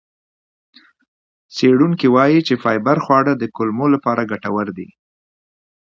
څېړونکي وایي چې فایبر خواړه د کولمو لپاره ګټور دي.